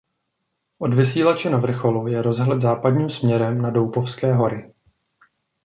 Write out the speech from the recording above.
Od vysílače na vrcholu je rozhled západním směrem na Doupovské hory.